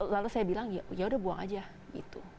lalu saya bilang ya udah buang aja gitu